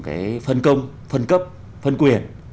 cái phân công phân cấp phân quyền